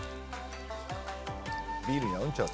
ビールに合うんちゃう？